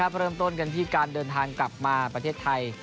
เริ่มต้นกันที่การเดินทางกลับมาประเทศไทย